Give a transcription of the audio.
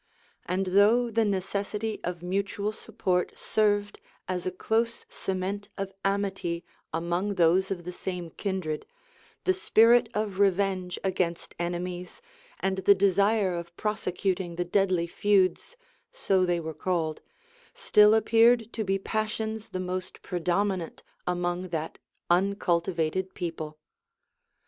And though the necessity of mutual support served as a close cement of amity among those of the same kindred, the spirit of revenge against enemies, and the desire of prosecuting the deadly feuds, (so they were called,) still appeared to be passions the most predominant among that uncultivated people.